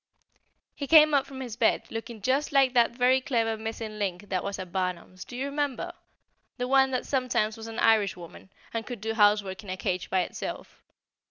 He came up from his bed looking just like that very clever Missing Link that was at Barnum's, do you remember? the one that sometimes was an Irishwoman, and could do housework in a cage by itself.